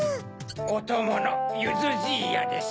おとものゆずじいやです。